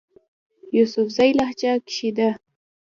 يوسفزئ لهجه کښې ده